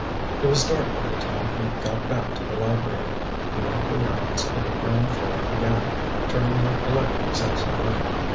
It was dark by the time he got back to the library. He went the rounds of the ground floor again, turning on electrics as he went.